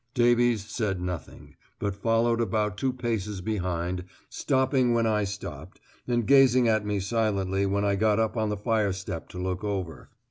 Davies said nothing, but followed about two paces behind, stopping when I stopped, and gazing at me silently when I got up on the fire step to look over.